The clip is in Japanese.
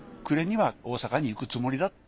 暮れには大阪に行くつもりだ